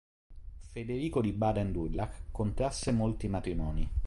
Federico di Baden-Durlach contrasse molti matrimoni.